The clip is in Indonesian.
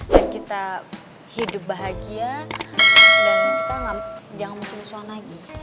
dan kita hidup bahagia dan kita jangan mau sembuh sembuhan lagi